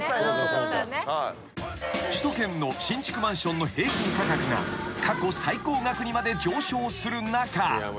［首都圏の新築マンションの平均価格が過去最高額にまで上昇する中］